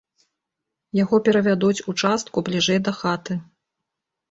Яго перавядуць у частку бліжэй да хаты.